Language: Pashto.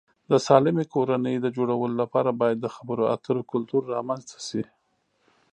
د سالمې کورنۍ د جوړولو لپاره باید د خبرو اترو کلتور رامنځته شي.